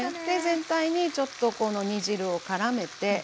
で全体にちょっとこの煮汁をからめて。